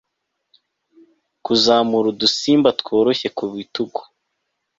kuzamura udusimba tworoshye ku bitugu